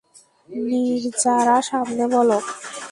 নির্জারা, সামনে বলো।